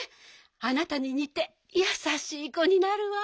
あなたににてやさしいこになるわ。